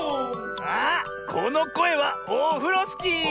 あっこのこえはオフロスキー！